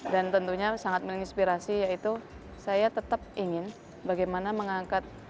dan tentunya sangat menginspirasi yaitu saya tetap ingin bagaimana mengangkat